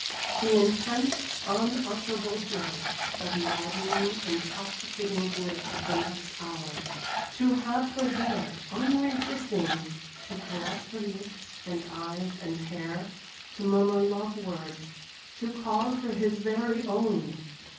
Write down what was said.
The intense, unutterable joy the maddening, intoxicating bliss of the next hour! To have her there, unresisting to caress her lips and eyes and hair to murmur love words to call her his very own!